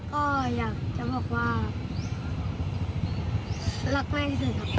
ก็อยากจะบอกว่ารักแม่ที่สุดครับ